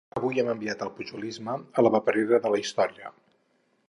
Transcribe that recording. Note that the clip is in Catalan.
Avui hem enviat el pujolisme a la paperera de la història.